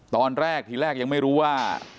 ตอนแรกทีแรกยังไม่รู้ว่า